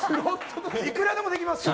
いくらでもできますから。